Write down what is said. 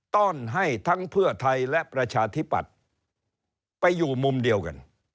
ต้อนให้ทั้งเพื่อไทยและประชาธิปัตย์ไปอยู่มุมเดียวกัน